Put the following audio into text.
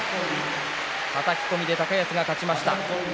はたき込みで勝ちました。